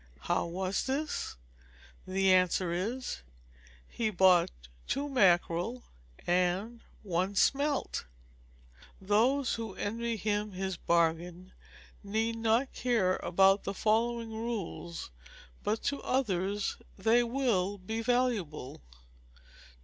_ How was this?" The answer is "He bought two mackerel, and one smelt!" Those who envy him his bargain need not care about the following rules; but to others they will be valuable: 2.